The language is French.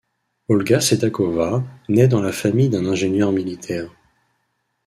Olga Sedakova naît dans la famille d'un ingénieur militaire.